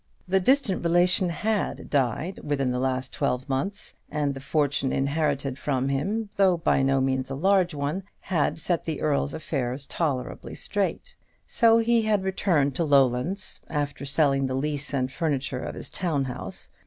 The distant relation had died within the last twelve months, and the fortune inherited from him, though by no means a large one, had set the Earl's affairs tolerably straight; so he had returned to Lowlands, after selling the lease and furniture of his town house.